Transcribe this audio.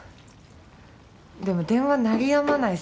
でも電話鳴りやまないっす。